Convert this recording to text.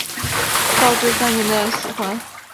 绍治三年的喜欢。